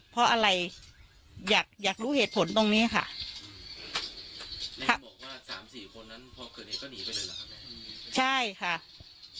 เพราะอะไรอยากอยากรู้เหตุผลตรงนี้ค่ะแล้วบอกว่าสามสี่คนนั้นพอเกิดเหตุก็หนีไปเลยเหรอครับแม่ใช่ค่ะ